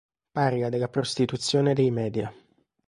Parla della prostituzione dei media.